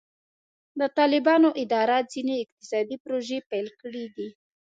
د طالبانو اداره ځینې اقتصادي پروژې پیل کړې دي.